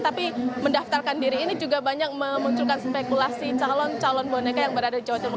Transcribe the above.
tapi mendaftarkan diri ini juga banyak memunculkan spekulasi calon calon boneka yang berada di jawa timur